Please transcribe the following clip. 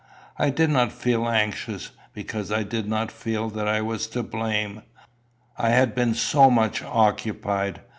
I did not feel anxious, because I did not feel that I was to blame: I had been so much occupied.